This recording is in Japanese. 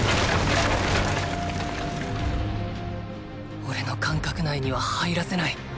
おれの感覚内には入らせない。